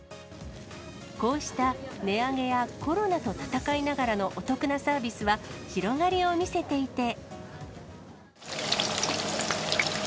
こうした値上げやコロナと闘いながらのお得なサービスは、広がりを見せていて。